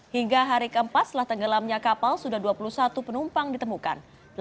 hingga hari keempat setelah tenggelamnya kapal sudah dua puluh satu penumpang ditemukan